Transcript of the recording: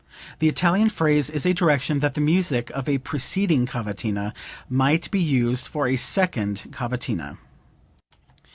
The Italian phrase is a direction that the music of a preceding cavatina might be used for a second cavatina.)